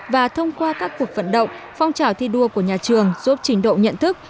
và thông qua các cuộc vận động phong trào thi đua của nhà trường giúp trình độ nhận thức